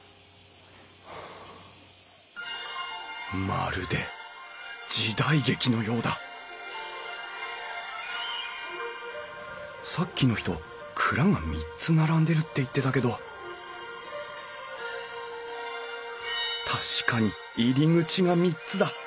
まるで時代劇のようださっきの人蔵が３つ並んでるって言ってたけど確かに入り口が３つだ。